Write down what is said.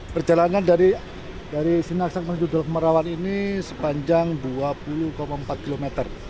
perjalanan dari sinaksak menuju dolok merawan ini sepanjang dua puluh empat km